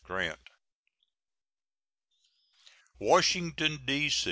GRANT. WASHINGTON, D.